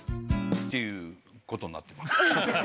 っていうことになっています。